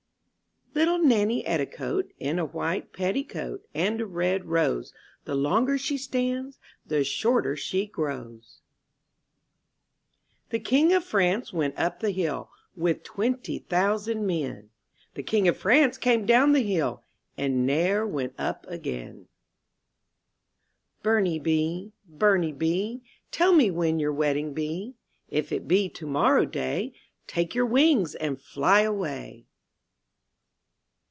T ITTLE Nanny Etticoat ■—^ In a white petticoat. And a red nose; The longer she. stands, The shorter she grows. T^HE King of France went up the hill ■ With twenty thousand men; The King of France came down the hill. And ne'er went up again. MY BOOK HOUSE "DURNIE bee, burnie bee, ^ Tell me when your wedding be, If it be tomorrow day, Take 3^our wings and fly away.